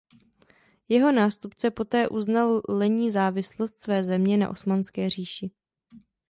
Jeho nástupce poté uznal lenní závislost své země na osmanské říši.